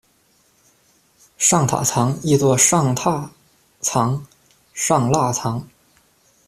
尚塔藏，亦作尚榻藏、尚腊藏。